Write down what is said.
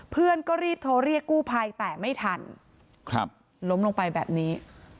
เพื่อนก็รีบโทรเรียกกู้ภัยแต่ไม่ทันครับล้มลงไปแบบนี้